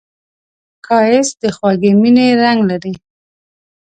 ښایست د خوږې مینې رنګ لري